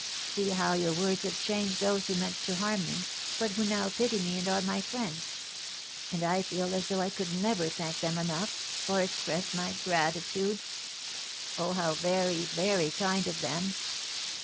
See how your words have changed those who meant to harm me, but who now pity me and are my friends; and I feel as though I could never thank them enough, or express my gratitude! Oh, how very, very kind of them!